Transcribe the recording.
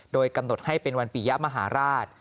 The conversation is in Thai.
โดยกำหนดให้เป็นวันปียะมหาราช